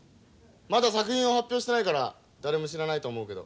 まだ作品を発表してないから誰も知らないと思うけど。